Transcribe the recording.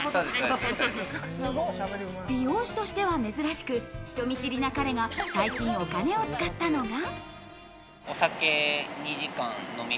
美容師としては珍しく、人見知りな彼が最近お金を使ったのが。